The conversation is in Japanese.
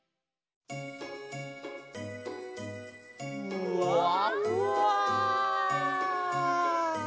ふわふわ！